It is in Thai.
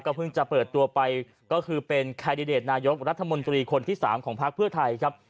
เพิ่งจะเปิดตัวไปก็คือเป็นแคนดิเดตนายกรัฐมนตรีคนที่๓ของพักเพื่อไทยครับ